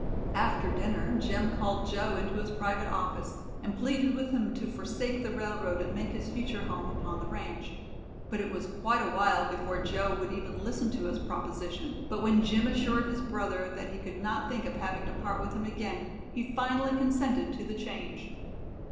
After dinner Jim called Joe into his private office and pleaded with him to forsake the railroad and make his future home upon the ranch. But it was quite a while before Joe would even listen to his proposition, but when Jim assured his brother that he could not think of having to part with him again he finally consented to the change.